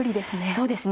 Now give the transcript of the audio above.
そうですね。